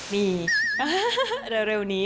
มี